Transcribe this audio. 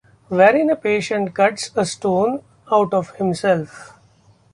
Wherein a patient cuts a stone out of himself.